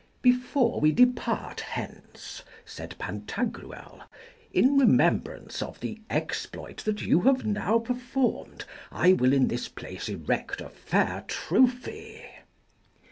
Before we depart hence, said Pantagruel, in remembrance of the exploit that you have now performed I will in this place erect a fair trophy.